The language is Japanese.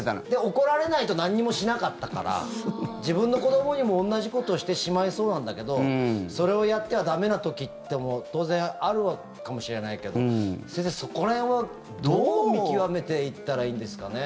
怒られないと何もしなかったから自分の子どもにも同じことをしてしまいそうなんだけどそれをやっては駄目な時って当然あるかもしれないけど先生、そこら辺はどう見極めていったらいいんですかね？